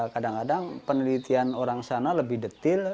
kadang kadang penelitian orang sana lebih detil